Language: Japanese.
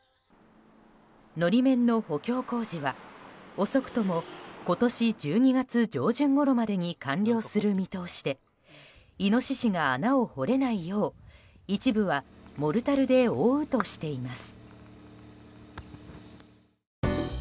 法面の補強工事は、遅くとも今年１２月上旬ごろまでに完了する見通しでイノシシが穴を掘れないよう一部はモルタルで覆うとしています。